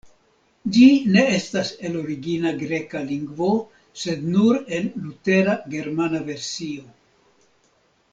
Ĝi ne estas el origina greka lingvo, sed nur el Lutera germana versio.